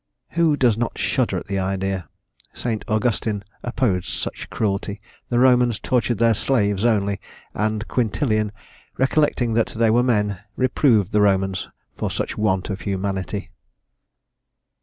Who does not shudder at the idea? St. Augustin opposed such cruelty. The Romans tortured their slaves only; and Quintilian, recollecting that they were men, reproved the Romans for such want of humanity."